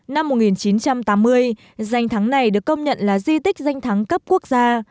năm một nghìn chín trăm tám mươi danh thắng này được công nhận là di tích danh thắng cấp quốc gia